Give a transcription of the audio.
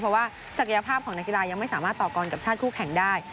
เพราะว่าศักยภาพของนักกีฬายังไม่สามารถต่อกรกับชาติคู่แข่งได้